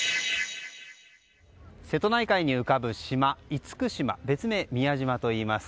瀬戸内海に浮かぶ島、厳島別名、宮島といいます。